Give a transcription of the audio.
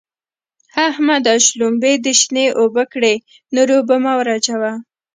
احمده! شلومبې دې شنې اوبه کړې؛ نورې اوبه مه ور اچوه.